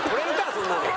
そんなの。